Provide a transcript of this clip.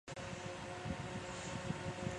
民心佳园车站位于渝北区民心佳园支路。